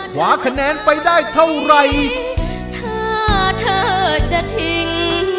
คะแนนไปได้เท่าไหร่